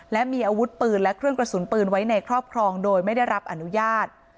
และมีอาวุธปืนและเครื่องกระสุนปืนไว้ในครอบครองโดยไม่ได้รับอนุญาต